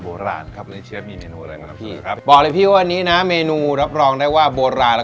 โบราณครับจะมีหนึ่งร้านน้ำพี่บอกเลยพี่วันนี้นะเมนูรับรองได้ว่าโบราณ